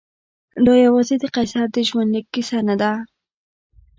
دا یوازې د قیصر د ژوندلیک کیسه نه ده.